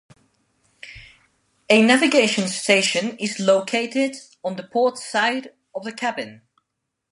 A navigation station is located on the port side of the cabin.